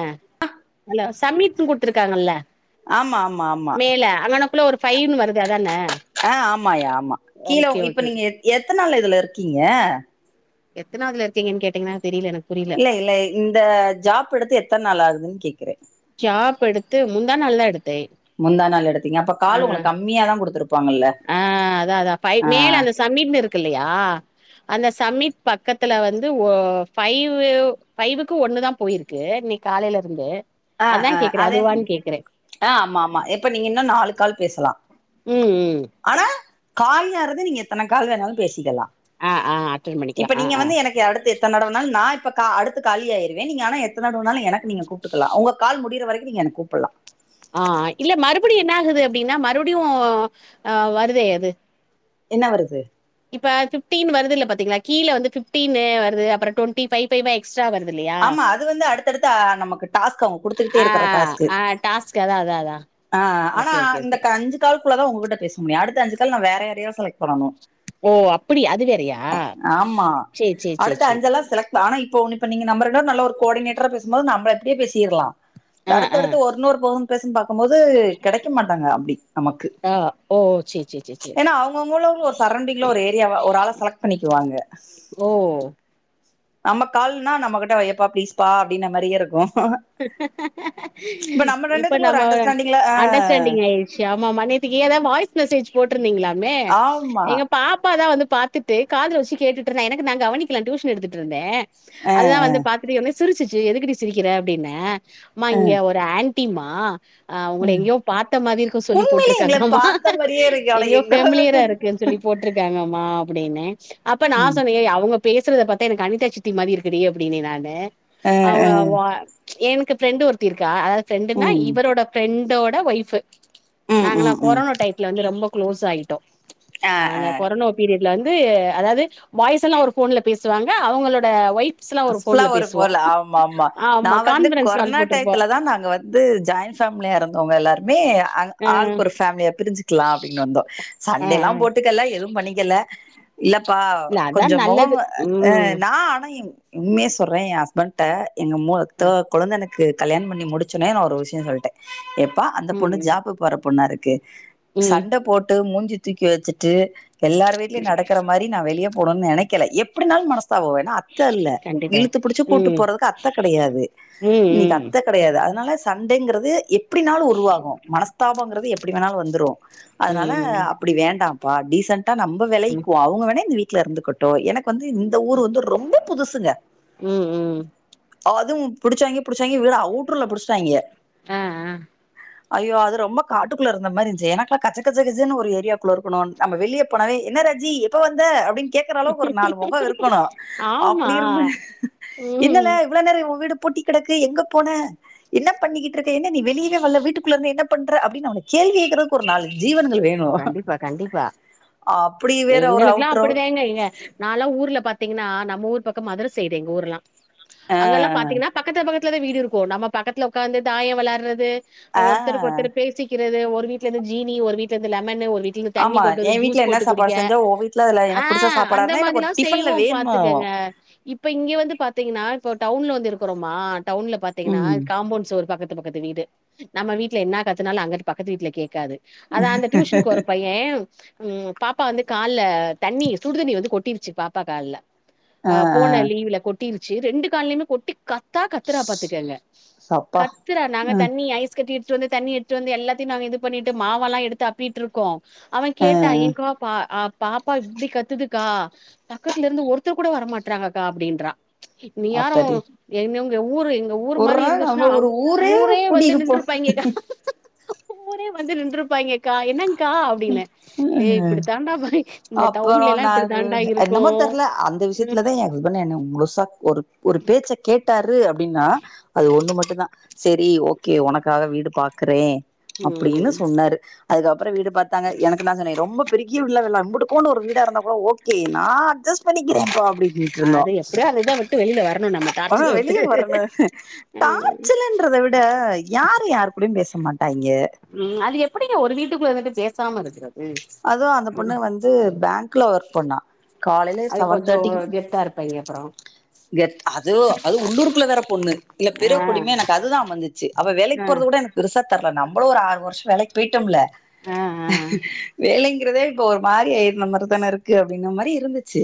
ஆ அல சமீட்னு குடுத்துருக்காங்கல்ல ஆமா ஆமா ஆமா மேல அங்கன குள்ள ஒரு ஃபைவ்னு வருதே அதான ஆ ஆமாயா ஆமா கீழ ஓகே இப்ப ஓகே நீங்க எ எத்தனாள இதுல இருக்கீங்க எத்தனாதுல இருக்கிங்கன்னு கேட்டிங்கன்னா தெரில எனக்கு புரியல இல்ல இல்ல இந்த ஜாப் எடுத்து எத்தன் நாள் ஆகுதுன்னு கேக்குற ஜாப்பெடுத்து முந்தா நாள் தா எடுத்தே முந்தா நாள் எடுத்திங்க அப்ப ஆ கால் உங்களு கம்மியா தா குடுத்துரு ஆ அதா அதா ஃபை மேல அந்த சமிட்னு இருக்குல்லயா அந்த சமிட் பக்கத்துல வந்து ஓ ஃபைவு ஃபைவுக்கு ஒன்னு தா போயிருக்கு க்கு இன்னக்கி காலைலருந்து ஆ அதா ஆ கேக்குறே அதே அதுவான் கேக்குறே ஆ ஆமாமா இப்ப நீங்க இன்னு நாலு கால் பேசலா ம் ம் ஆனா காலியாரது நீங்க எத்தன கால் வேணாலு பேசிக்கலா ஆ ஆ அட்டன் பண்ணிக்கலா இப்ப ஆ நீங்க ஆ வந்து எனக்கு அடுத்து எத்தன தடவனாலு நா இப்ப கா அடுத்து காலியாயிருவே நீங்க ஆனா எத்த தடனாலு எனக்கு நீங்க கூப்டுக்லா ஒங்க கால் முடியிற வரைக்கு நீங்க எனக்கு கூப்புலா ஆ இல்ல மறுப்டியு என்ன ஆகுது அப்டின்னா மறுப்டியு ஆ வருதே அது என்ன வருது இப்ப பிஃப்டீன் வருதுல்ல பாத்தீங்களா கீழ வந்து பிஃப்டீன்னு வருது அப்றோ ட்வென்டி ஃபை ஃபைவ்வா எக்ஸ்ட்ரா வருதுல்லயா ஆமா அது வந்து அடுத்தடுத்து ஆஹ், நமக்கு டாஸ்க் அவங்க குடுத்துக்கிட்டே ஆ இருக்கிற டாஸ்க் ஆ டாஸ்க் அதா அதா அதா ஆ ஆனா இந்த க அஞ்சு கால்க்குள்ளதா ஒங்ககிட்ட பேச முடியு அடுத்த அஞ்சு கால் நா வேற யாரயோ செலக்ட் பண்ணணு ஓ! அப்படி அது வேறையா? ஆமா சேரி, சேரி, சேரி, அடுத்த சேரி. அஞ்செல்லா செல ஆனா இப்ப ஒண்ணு இப்ப நீங்க நம்ப ரெண்டு பேரு நல்ல ஒரு கோடினேட்டரா பேசும்போது நம்ப எப்டியே பேசிற்லா ஆ, ஆ, அடுத்தடுத்து ஒரு இன்னொரு போவுன் பேசுன் பாக்கம்போது கெடைக்க மாட்டாங்க அப்டி நமக்கு ஆ ஓ சேர் சேர் சேர் ஏனா அவுங்கவுங்கலு ஒரு சரௌண்டிங்ல ஒரு ஏரியாவ ஒரு ஆள செலக்ட் பண்ணிக்குவாங்க ஓ நம்ம கால்ன்னா நம்மகிட்ட வையப்பா ப்ளீஸ்ப்பா அப்டின மாரியே இருக்கு இப்ப நம்ம இப்ப ரெண்டுத்துல நம்ம ஒரு அண்டர்ஸ்டாண்டிங்ல ஆ அன்டர்ஸ்டாண்டிங் ஆயி ச்சு ஆமாமா நேத்திக்கி அதா வாய்ஸ் மெசேஜ் போட்ருந்தீங்களாமே ஆமா எங்க பாப்பா தா வந்து பாத்து ட்டு காதுல வச்சு கேட்டுட்ருந்தா எனக்கு நா கவனிக்கல நா டியூஷன் எடுத்துட்ருந்தே ஆ அதுதா வந்து பா த்துட்டம்னே சிரிச்சிச்சு எதுக்குடி சிரிக்கிற அப்டின்னே அம்மா ஆ இங்க ஒரு ஆன்ட்டி மா ஆ ஒங்கள எங்கயோ பாத்த மாரி இருக்கு சொல்லி உண்மையிலே எங்கள போட்ருக்காங்கம்மா பாத்த மாரியே இருக்கு ஆனா எங்கயோ எங்க ஃபெமிலியரா இருக்குன் சொல்லி போட்ருக்காங்கம்மா அப்படின்னே அப்ப நா சொன்னே ஏ அவங்க பேசுறத பாத்தா எனக்கு அனிதாச்சித்தி மாரி இருக்குடி அப்டின்னே நானு ஆ அவுங்க ஆ வா எனக்கு ஃப்ரெண்டு ஒருத்தி இருக்கா அதாவ்து ஃப்ரெண்டுனா ம் இவரோட ஃப்ரெண்டோட ஒய்ஃப்ஃபு ம் நாங்கல்லா ம் ம் கொரோனா டய்த்துல வந்து ரொம்ப க்ளோஸ் ஆயிட்டோ ஆ அந்த கொரனோ பீரியட்ல வந்து அதாவ்து பாய்ஸ் எல்லா ஒரு ஃபோன்ல பேசுவாங்க அவுங்களோட ஒய் அஸ்லா ஒரு ஃபோன்ல ஆமாமா நா ஆமா வந்து கான்ஃபரன்ஸ் கால் கொர்னா போட்ருப்போ டயத்துல தா நாங்க வ ந்து ஜாயின்ட் ஃபேம்லியா இருந்தோங்க எல்லாரு மே ஆ ஆளுக்கு ஒரு ஃபேம்லியா பிரிஞ்சுக்லா அப்டின்னு வந்தோ ஆ சண்டேல்லா ஆ போட் டுக்கல எது பண்ணிக்கல இல்லப்பா இல்ல அதா கொஞ்சோ மொகோ நல்லது ஆ ம் நா ஆனா எ உண்மய சொல்றே எ அஸ்பண்ட்ட எங்க மூ அ த கொழுந்தனு க்கு கல்யாணோ பண்ணி முடிச்சோன்னே ஒரு விஷ்யோ சொல்லிட்டே ஏப்பா அந்த பொண்ணு ம் ம் ஜாப்பு போற பொண்ணாருக்கு ம் சண்ட போட்டு மூஞ்சிய தூக்கி வச்சுட்டு எல்லார் வீட்லயு நடக்ற மாரி நா வெளியே போனுன் நெனைக்கல எப்டினாலு மனஸ்தாபோ வரு ஏனா அத்த இல்ல கண்டிப்பா இழுத்து புடிச்சு கூட்டு ம் போறதுக்கு அத்த கெடயாது ம் இன்னிக்கி ம் அத்த கெடயாது அதனால சண்டைங்கிறது எப்டினாலு உருவாகு மனஸ்தாபம்ங்கறது எப்டி வேணாலு வந்துரு அதனால ம் அப்டி வேண்டாம் ப்பா டீசென்ட்டா நம்ப வெலகிக்குவோ அவங்க வேணா இந்த வீட்ல இருந்துக்கட்டு எனக்கு என்க்கு வந்து இந்த ஊர் வந்து ரொம்ப புதுசுங்க ம் ம் அதுவு புடிச்சாங்க புடிச்சாங்க வீட ஔட்டர்ல புடுஸ்ட்டாங்க ஆ ஆ ஐயோ அது ரொம்ப காட்டுக்குள்ள இருந்த மாரி இருச்சு எனக்கு கச்ச கச்ச கச்சு ஒரு ஏரியாக்குள்ள இருக்கணுனு நம்ம வெளிய போனே என்ன ராஜி எப்ப வந்த அப்டின்னு கேக் க்ற அளவுக்கு ஒரு நாலு மொக இருக்கணு ஆமா அப்டி இருந் என்னல்ல ம் இவ்ள நேர ஊ வீடு பூட்டி கெடக்கு எங்க போன என்ன பண்ணிக்கிட்ருக்க என்ன நீ வெளியவே வல்ல வீட்டுக்குள்ள இருந்து என்ன பண்ற அப்படினு [unintelligible] கேள்விக்கேக்றதுக்கு ஒரு நாலு ஜீவனங்கள் வேணு ப்பா கண்டிப்பா அப்டி வேற ஒரு எங்களுக்குல்லா அவுட்று அப்படிதாங்க எங்க நாலா ஊர்ல பாத்தீங்கன்னா நம்ம ஊர் பக்கம் மதுர சைடு எங்க ஊர்ல்லா ஆ, அங்க எல்லா பாத்தீங்னா பக்கத்துலப் பக்கத்துலத வீடு இருக்கு நம்ம பக்கத்துல உக்காந்து தாய விளாட்றது ஆ. ஒருத்தருக்கு ஒருத்தர் பேசிக் ரது ஒரு வீட்லிந்து ஜீனி ஒரு வீட்லிந்து லெமன் ஒரு வீட் நீங்க ஆமா. தண்ணிக் கொண்டுந்து என் வீட்ல ஜூஸ் என்ன போட்டுக் குடிக்க சாப்பாடு செஞ்சா, உன் வீட்ல அதுல ஆ எனக்கு புடிச்ச சாப்பாடா அந்த இருந்தா, எனக்கு ஒரு மாதிலா டிஃபன்ல செய்வோ வேணும். பாத்துக்கங்க இப்ப இங்க வந்துப் பாத்தீங்கன்னா இப்ப டவுன்ல வந்து இருக்குறோமா டவுன்ல பாத்தீங்கன்னா ம். காம்பவுண்ட் செவுர் பக்கத்துப் பக்கத்து வீடு நம்ம வீட்ல என்னாக் கத்துனாலு அங்க இருக் பக்கத்து வீட்ல கேக்காது அது அந்த டியூஷன்க்கு ஒரு பய ய ம் பாப்பா வந்துக் கால்ல தண்ணிச் சுடு தண்ணி வந்துக் கொட்டிருச்சுப் பாப்பா கால்ல ஆ, அ ஆ. போன லீவு்ல கொட்டிருச்சு ரெண்டு கால்லையுமே கொட்டிக் கத் த்தாக் கத்ராப் பாத்துக்கங்க சப்பா! கத்ரா அ, நாங்கத் தண்ணி ஐஸ் கட்டி எடுத்துட்டு வந்துத் தண்ணி எடுத்துட்டு வந்து எல்லா த்தி நாங்க இது பண்ணிட்டு மாவலா எடுத்து அப்பிட்ருக்கோ அவே ஆ. கேட்டா ஏங்க்கா பா அ பாப்பா இப்டிக் கத்துதுக்கா பக்கத்துலருந்து ஒருத்தர் கூட வரமாட்றாங்கக்கா அப்டின்றா இன்யாரு ஆத்தாடி! எங்கங்க ஊரு எங்க ஊர் ஒரு மாரி நாள் நம்ம இருந்துச்சுன்னா ஒரு ஊரே வந்து கூட்டிருப்போம் நின்றுப்பாய்ங்கக்கா ஊரே வந்து நின்றுப்பாய்ங்கக்கா என்னன் க்கா அப்டின்னே டே ம் இப்டித்தாண்டா பைக் இந்த அப்புறம் டவுன்லல்லா இப்டி தாண்டா இருக்கு கிட்டத்துல தா ஏ எதுனா என்ன முழுசா ஒரு ஒருப் பேச்சக் கேட்டாரு அப்டின்னா அது ஒண்ணு மட்டுந்தா செரி ஓகே உனக்காக வீடு பாக்றே அப்டின்னு ம் சொன்னாரு அதுக்கப்றோ வீடுப் பாத் தாங்க எனக்கு நா சொன்னே ரொம்பப் பெரி ரிய வீட்ல வேணா இம்புட்டுக் கோண்டு ஒரு வீடா இருந்தாக் கூட ஓகே நா அட்ஜஸ் பண்ணிக்கிறே பா அப்பின் கீட்ருந்தா அது எப்டியோ அந்த இத விட்டு வெளில வரணு நம்ம ஆ டார்ச்சர விட்டு வெளிய வர்ணு ம் டார்ச்சலன் ன்றதவிட யார்ரு யார்க் கூடயு பேச மாட்டாய்ங்க ம் அது எப்டிங்க ஒரு வீட்டுக்குள்ள இருந்துட்டுப் பேசாமா இருக்குறது அதுவு அந்தப் பொண்ணு வந்து பேங்க்ல ஒர்க் பண்ணா காலைல சவன் தாட்டிக் அப்பற [unintelligible] அதுவு அது உள்ளூருக்குள்ள வேறப் பொண்ணு இல்லப் பிறக் ஆ கொடிமே எனக்கு அதுதா அமஞ்சிச்சு அவ வேலைக் க் ஆ போறது கூட எனக்குப் பெருசாத்தெர்ல நம்பளு ஒரு ஆறு வர்ஷோ வேலைக்கிப் போயிட்டோம்ல ஆ ஆ வேலைங்கிறதே இப்ப ஒரு மாரி இருந்த மாரி தானே இருக்கு அப்டிங்குற மாரி இருந்துச்சு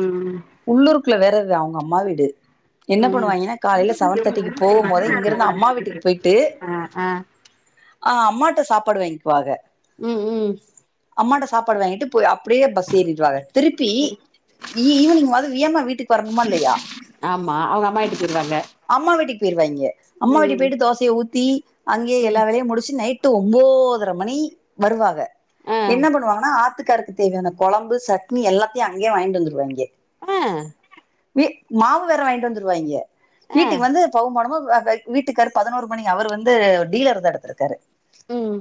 ம் உள்ளூருக்குள்ள வேறது அவுங்க அம்மா வீடு என்ன ம் பண்ணுவாய்ங்கன்னா காலேல சவன் தாட்டிக்கு போகும்போதே இங்கருந்து அம்மா வீட்டுக்கு போய்ட்டு ஆ ஆ ஆ அம்மாட்ட சாப்பாடு வாங்குவாக ம் ம் அம்மாட்ட சாப்பாடு வாங்கிட்டு போய் அப்டியே பஸ் ஏறிடுவாக திருப்பி ஈ ஈவினிங்வாது வியமா வீட்டுக் வர ஆமா அவுங்க அம்மா வீட்டுக்கு போய்டுவாங்க அம்மா வீட்டுக் போய்ருவாய்ங்க அம்மா வீட்டு போய்ட்டு தோசய ஊத்தி அங்கயே ம் எல்லா வேலையு முடுச்சு நைட் டு ஒம்போதர மணி வருவாங்க ஆ என்ன பண்ணுவாங்கன்னா ஆத்துக்காருக்கு தேவையான கொழம்பு சட்னி எல்லாத்தையு அங்கயே வாங்கிட்டு வந்துருவாய்ங்கே ஆ வீ மாவு வேற வாங்கிட்டு வந்துருவாய்ங்க ஆ வீட்டுக்கு வந்து பவுமானமா வ வ வீட்டுக்காரு பதனோரு மணி அவருவந்து டீலர் தா எடுத்துருக்காரு ம்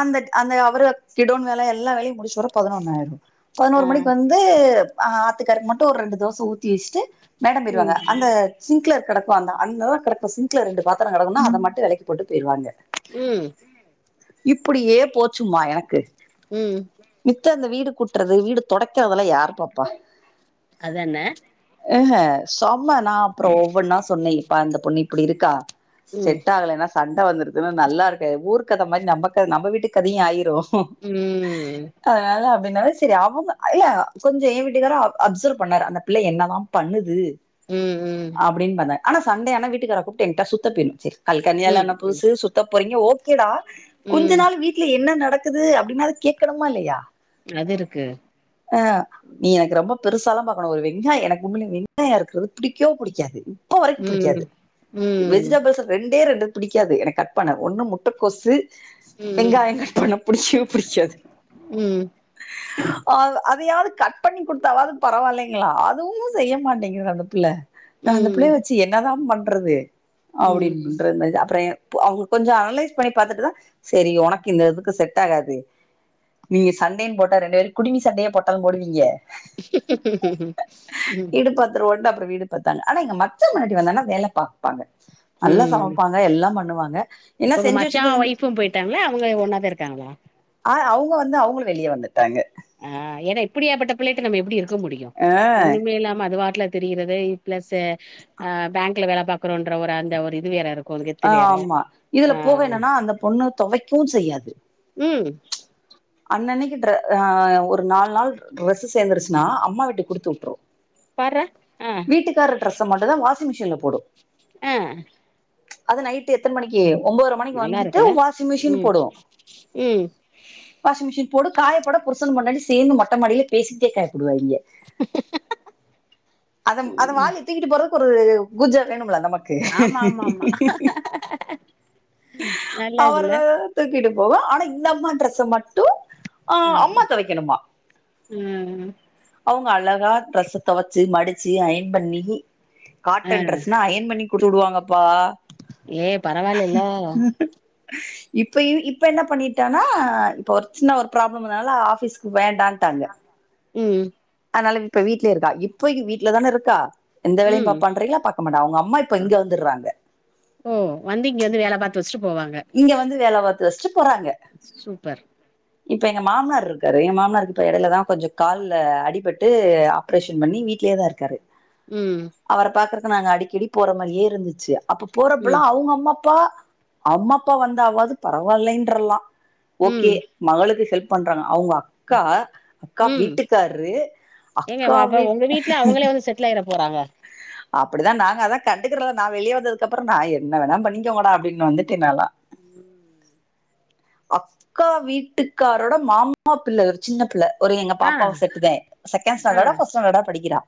அந்தட் அந்த அவரு கிடோன் வேல எல்லா வேலயும் முடுச்சுட் வர பதனொன்னாயிரு ஆ பதனோரு மணிக்கு வந் து ஆத்துக்காருக்கு மட்டு ஒரு ரெண்டு தோச ஊத்தி வச்சுட்டு மேடம் ம் போய்டுவாங்க அந்த சிங்க்ளர் கெடக்கு அந்த அந்ததா கெடக்கு சிங்க்ள ரெண்டுப் பாத்தரோ கெடக்குனா அத மட்டு வெளக்கி போட்டு போய்ருவாங்க ம் இப்புடியே போச்சும்மா எனக்கு ம் மித்த அந்த வீடு கூட்றது வீடு தொடக்கறதல்லா யாரு பாப்பா அதான ஆஹ செம்ம நா அப்பறோ ஒவ்வொன்னா சொன்னே இப்பா இந்த பொண்ணு இப்டி இருக்கா ம் செட் ஆகலேனா சண்ட வந்துருதுன்னா நல்லா இருக்காது ஊரு கத மாரி நம்ம கத நம்ம வீட்டு கதையு ஆயிரு ம் அதனால அப்டின்னால செரி அவங்க இல்ல கொஞ்சோ ஏ வீட்டுக்காரு அ அப்சர்வ் பண்ணாரு அந்த பிள்ள என்னதா பண்ணுது ம் ம் அப்டின் பண்ணாரு ஆனா சண்டே ஆனா வீட்டுக்கார கூப்ட்டு எங்டா சுத்த போய்ரு சேரி கல் கல்யாண ஆன ம் புதுசு சுத்த போறிங்க ஓ கேடா கொஞ்ச ம் நாள் வீட்ல என்ன நடக்குது அப்டினாது கேக்கணுமா இல்லயா அதிருக்கு ஆ நீ எனக்கு ரொம்ப பெருசாலா பாக்க வேனா ஒரு வெங்காயோ எனக்கு உண்மேலயே வெங்காயோ அறுக்குறது புடிக்கவோ புடிக்காது இப்ப வரைக்கு ம் புடிக்காது ம் வெஜிடபிள்ஸ்ல ரெண்டே ரெண்டு பிடிக்காது எனக்கு கட் பண்ண ஒன்னு முட்டகோசு ம் வெங்காயோ கட் பண்ண புடிக்கவே புடிக்காது ம் ம் அத அதையாவது கட் பண்ணி குடுத்தாவாவது பரவாயில்லைங் களா அதுவு செய்ய மாட்டேங்கிது அந்த பிள்ள நா அந்த பிள்ளய ம் வச்சு என்னாதா பண்றது ம் அப்புடின்றது மாரி அப்பறோ எ பு அவுங்க கொஞ்சோ அனலைஸ் பண்ணி பாத்துட்டு தா சரி உனக்கு இந்த இதுக்கு செட் ஆகாது நீங்க சண்டேன்னு போட்டா ரெண்டு பேரு குடிமி சண்டயே போட்டாலு போடுவீங்க வீடு பாத்துருவோண்டு அப்பறோ வீடு பாத்தாங்க ஆனா எங்க மச்சா பொண்டாட்டி வந்தாங்கன்னா வேல பாப்பாங்க நல்லா ம் சமப்பாங்க எல்லா பண்ணுவாங்க என்ன உங்க செஞ்சு மச்சா வச்சுட்டு செஞ்சு ஒய்ஃபு போய்ட்டாங்களா அவங்க ஒண்ணா தா இருக்காங்களா ஆ அவுங்க வந்து அவுங்களு வெளிய வந்துட்டாங்க ஆ ஏனா இப்டியாபட்ட பிள்ளேட்ட நம்ம எப்டி இருக்க முடியு ஆ ஒண்ணுமே இல்லாம அது வாட்டுல திரியறதேய் பிளஸ்ஸு அ பேங்க்ல வேல பாக்குறோன்ற ஒரு அந்த ஒரு இது வேற இரு ஆ ஆமா இதுலப் போக என்னனா அந்தப் பொண்ணு தொவைக்கவு செய்யாது ம் அன்னனைக்கு ட்ர அ ஒரு நால் நாள் டிரெஸ்சு சேந்துருச்சுனா அம்மா வீட்டுக் குடுத்து வுட்ரு பார்ரா அ வீட்டுக்கார் ட்ரஸ்ச மட்டுந்தான வாஷிங் மிஷின்ல போடு அ அது நைட் ட்டு எத்தன் மணிக்கி ஒம்போர மணிக்கு நல்லா வந்துட்டு இருக்குல்ல வாஷிங் மிஷினு ம் போடு ம் வாஷிங் மிஷின் போடு காயப்போட புருசனும் பொண்டாட்டியு சேந்து மொட்ட மாடில பேசிக்கிட்டே காயப்போடுவாய்ங்க அதம் அத ம் வாலி தூக்கிட்டு போறதுக்கு ஒரு குஜ வேணும்ல அந்தம்மாக் கு ஆமா ஆமா ஆமா நல்லதுல்ல அவர்கள் தூக்கிட்டு போவே ஆனா இந்தம்மா டிரெஸ்ச மட்டு ஆ அம்மா தொவைக்கணுமா ஆ அவுங்க அழகா டிரஸ்சத் தொவச்சி மடிச் சி அயன் பண்ணி ஆ காட்டன் ட்ரெஸ்னா அயன் பண்ணி குடுத்துடுவாங்கப்பா ஏ பரவால இல்ல இப்ப வ் இப்ப என்னப் பண்ணிட்டனா இப்ப ஒரு சின்ன ஒரு ப்ராப்ளம்னால ஆபீஸ்க்கு வேண் டான்ட்டாங்க ம் அதனால இப்ப வீட்லே இருக்கா இப்பைகி வீட்லதானே இருக்கா எந்த வேலையும் ம் பாப்பான்றீங்ளா பாக்க மாட்டா அவுங்க அம்மா இப்ப இங்க வந்துர்றாங்க ஓ வந்து இங்க வந்து வேல பாத்து வச்ட்டு போவாங்க இங்க வந்து வேல பாத் து வச்ட்டு போறாங்க சூப்பர் இப்ப எங்க மாம்னார் ருக்காரு எம் மாம்னாருக்கு டயடு இல்லதா கொஞ்ச கால்ல அடிபட்டு ஆப்ரேஷன் பண்ணி வீட்லியேதாருக் கரு ம் அவரப் பாக்கறது நாங்க அடிக்கடிப் போற மாரியே இருந்துச்சு அப்ப போறப்பல்லா ம் அவுங்க அம்மா அப்பா அம்மா அப்பா வந்தாவாது பரவால்லைன்றல்லா ஓகே ம் மகளுக்கு செல்ப் பண்றாங்க அவுங்கக் க்கா அக்கா ம் வீட்டுக்கார்ரு அக்கா வீட் ட்ல எறப் போறாங்க அப்டிதா நாங்க அதா கண்டுக்கறல நா வெளிய வந்ததுக்கப்பறோ நா என்ன வேணாம் பண்ணிகோங்கடா அப்டின் வந்துட்ட நாலா அக்கா வீட்டுக்காரோட மாமா பிள்ள ஒரு சின்ன பிள்ள ஒரு எங்க ஆ பாப்பாவ செட்டுதே செகண்ட் ஆ ஸ்டாண்டர்டா பர்ஸ்ட் ஸ்டாண்டர்டா படிக்கிறா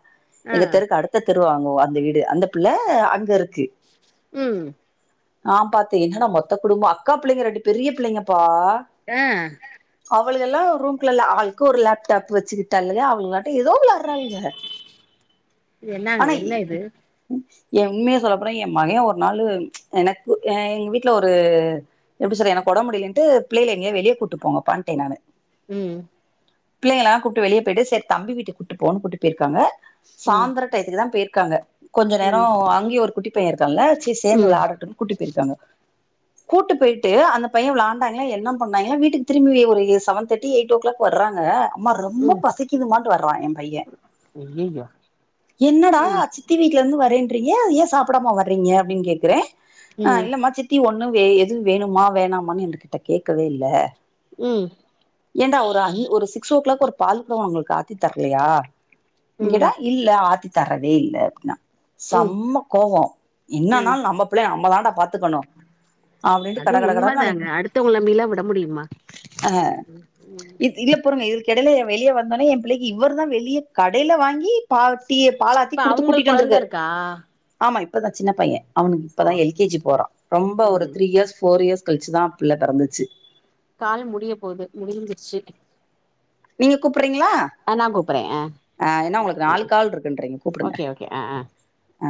ஆ எங்க தெருக்கு அடுத் த்த தெருவாங்கோ அந்த வீடு அந்தப் பிள்ள அங்க இருக்கு ம் ஆம் பாத்தே என்னடா மொத்த குடும்போ அக்கா பிள்ளைங்க ரெண்டு பெரிய பிள்ளைங்கப்பா அ அவளுக எல்லா ரூம்குலல ஆள்க்கு ஒரு லேப்டாப் வச்சுக்கிட்டால்லையா அவுள்கலாட்டு எதோ விளார்ரால்க இது என்னாங்க ஆனா இ என்ன இது எ உண்மைய சொல்லப்போனா எம் மகே ஒரு நாளு எனக்கு எ எங்க வீட்ல ஒரு எப்டி சொல்ல எனக்கு ஒடம் முடியலன்ட்டு பிள்ளைல எங்கியே வெளியே கூட்டுப் போங்கப்பான்ட்டே நானு ம் பிள்ளைங்கலாங் கூப்டு வெளியேப் போயிட்டு செரித் தம்பி வீட்டுக்கு கூட்டு போனு கூட்டிட் போயிருக்காங்க ம் சாந்தரக் டயத்துக்கு தா போயிர்க்காங்க. கொஞ்சோ நேரோ ம் அங்யு ஒரு குட்டி பைய இருக்கால்ல சே சேந்து ம் விளாடட்டுன் கூட்டி போயிர்க்காங்க. கூட்டு போயிட்டு அந்த பைய விளாண்டாய்ங்ளா என்ன பண்ணாய்ங்களா வீட்டுக்கு திரும்பி எ ஒரு செவன் தேட்டி எயிட் ஓ கிளாக் வர்றாங்க அம்மா ரொம்ப பசிக்குதுமான்ட்டு வர்றா எம் பைய. அய்யய்யோ. என்னடா சித்தி வீட்லந்து வரேன்றீங்க ஏ சாப்படாம வர்றீங்க அப்டின் கேக்குறே அ ம் இல்லமா சித்தி ஒன்னு வெ எது வேணுமா வேணாமான்னு எங்ககிட்ட கேக்கவே இல்ல. ம். ஏன்டா ஒரு அஞ் ஒரு சிக்ஸ் ஓ கிளாக் ஒரு பால் கூட உங்குளுக் ஆத்தி தர்லையா? ம் இங்கடா இல்ல ஆத்தி தரவே இல்ல அப்ட்னா. ம் சம்ம கோவோ ம் என்னான்னால் நம்ப பிள்ளைய நம்ப தாண்டா பாத்துக்கணு. அப்டின்ட்டு அது கட கட உண்ம கடன்னு அன்னைக்கு தாங்க அடுத்தவங்ள நம்பிலா விட முடிமா? ம் ம். இது இல்ல பொறுங்க இதுல்க் எடைல எ வெளியே வந்தோனே எம் பிள்ளைக்கி இவரு தா வெளிய கடைல வாங்கி பா டிய பாலாத்தி இப்ப குடுத்து அவங்களுக்கு கூட்டிட்டு கொழந்த வந்துருக்காரு. இருக்கா ஆமா இப்பதா சின்ன பைய அவுனுக்கு இப்ப ஓ தா எல் கே ஜி போறா ரொம்போ ஒரு ம் த்ரீ இயஸ் ஃபோர் இயர்ஸ் கழ்ச்சுதா பிள்ள பெறந்துச்சு. கால் முடிய போது முடிஞ்சிர்ச்சு. நீங்க கூப்பறிங்களா? ஆ நா கூப்பறே ஆ அ இன்னு உங்குளுக்கு ம். நாலு கால் இருக்குன்றீங்க கூப்புடுங்க ஓகே ஓகே அ.